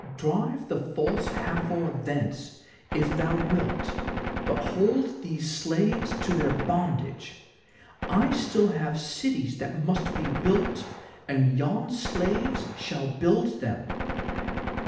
Drive the False Hathor thence if thou wilt, but hold these slaves to their bondage. I still have cities that must be built, and yon slaves shall build them."